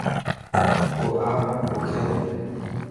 او آپ پوکي ٿو.